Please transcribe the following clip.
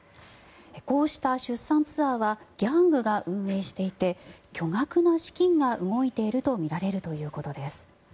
こうした出産ツアーはギャングが運営していて巨額の資金が動いているとみられるということです。